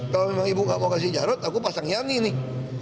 kalau memang ibu nggak mau kasih jarod aku pasang yani nih